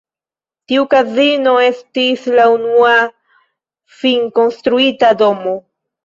Tiu kazino estis la unua finkonstruita domo.